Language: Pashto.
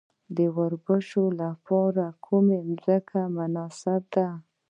د وربشو لپاره کومه ځمکه مناسبه ده؟